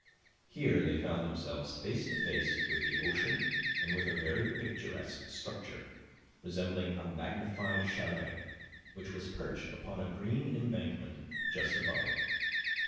Here they found themselves face to face with the ocean and with a very picturesque structure, resembling a magnified chalet, which was perched upon a green embankment just above it.